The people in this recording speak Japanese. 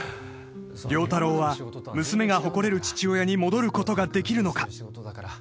亮太郎は娘が誇れる父親に戻ることができるのか